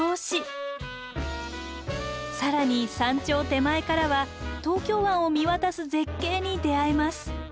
更に山頂手前からは東京湾を見渡す絶景に出会えます。